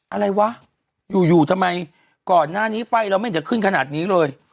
อะไรวะอยู่อยู่ทำไมก่อนหน้านี้ไฟเราไม่จะขึ้นขนาดนี้เลย